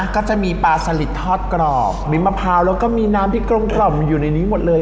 ก็จะมีปลาสลิดทอดกรอบมีมะพร้าวแล้วก็มีน้ำที่กลมกล่อมอยู่ในนี้หมดเลย